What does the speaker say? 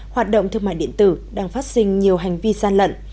hoạt động thương mại điện tử đang phát sinh nhiều hành vi gian lận